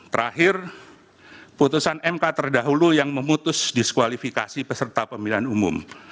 terakhir putusan mk terdahulu yang memutus diskualifikasi peserta pemilihan umum